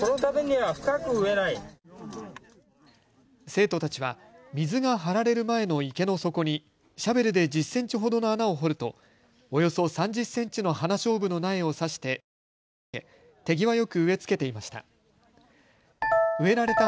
生徒たちは水が張られる前の池の底にシャベルで１０センチほどの穴を掘るとおよそ３０センチのハナショウブの苗をさして土をかけ手際よく植え付けていました。